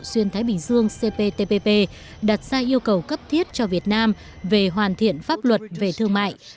xuyên thái bình dương cptpp đặt ra yêu cầu cấp thiết cho việt nam về hoàn thiện pháp luật về thương mại